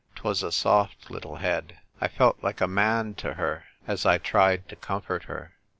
'Twas a soft little head. I felt like a man to her as I tried to comfort her.